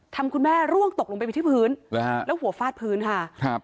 ทำคุณแม่ร่วงตกลงไปที่พื้นแล้วหัวฟาดพื้นค่ะ